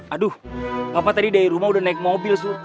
aduh papa tadi dari rumah udah naik mobil su